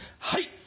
はい！